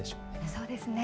そうですね。